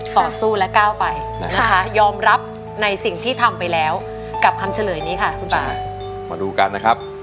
ต่อสู้และก้าวไปนะคะยอมรับในสิ่งที่ทำไปแล้วกับคำเฉลยนี้ค่ะคุณป่ามาดูกันนะครับ